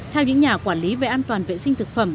theo những nhà quản lý về an toàn vệ sinh thực phẩm